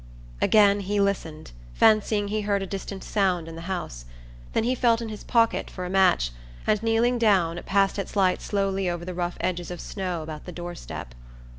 Again he listened, fancying he heard a distant sound in the house; then he felt in his pocket for a match, and kneeling down, passed its light slowly over the rough edges of snow about the doorstep.